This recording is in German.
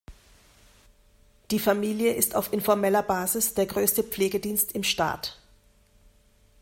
Die Familie ist auf informeller Basis der größte Pflegedienst im Staat.